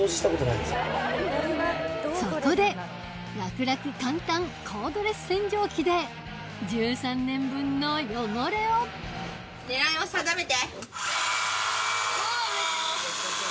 そこで楽々簡単コードレス洗浄機で１３年分の汚れを狙いを定めて。